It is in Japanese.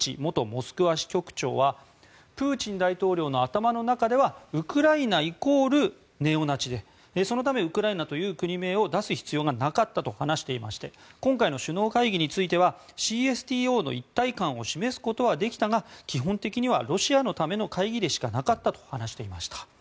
モスクワ支局長はプーチン大統領の頭の中ではウクライナ、イコールネオナチでそのためウクライナという国名を出す必要がなかったと話していまして今回の首脳会議についてはＣＳＴＯの一体感を示すことはできたが基本的にはロシアのための会議でしかなかったと話していました。